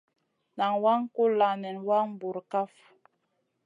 Nan waŋ kulla nen ka wang bura kaf.